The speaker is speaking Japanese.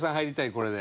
これで。